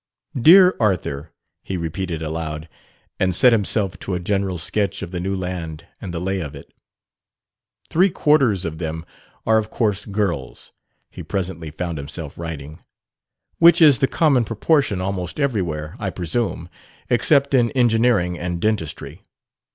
"Dear Arthur," he repeated aloud, and set himself to a general sketch of the new land and the "lay" of it. "Three quarters of them are of course girls," he presently found himself writing, "which is the common proportion almost everywhere, I presume, except in engineering and dentistry.